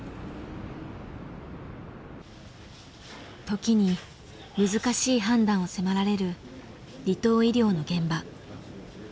時に難しい判断を迫られる離島医療の現場。